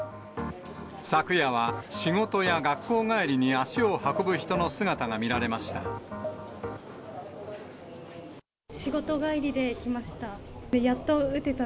昨夜は仕事や学校帰りに足を運ぶ人の姿が見られました。